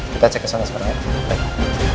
kita cek kesana sekarang ya